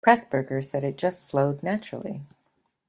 Pressburger said it just flowed naturally.